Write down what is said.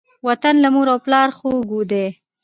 وطن له مور او پلاره خووږ دی.